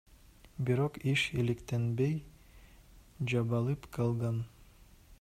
Бирок иш иликтенбей, жабылып калган.